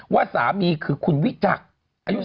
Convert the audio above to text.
ว่าสามีคือคุณวิจักษ์